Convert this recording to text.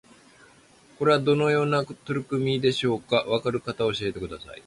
これはどのような取り組みでしょうか？わかる方教えてください